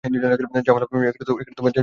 ঝামেলা থেকে দূরে থেকো।